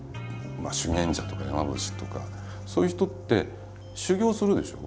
修験者とか山伏とかそういう人って修行するでしょ。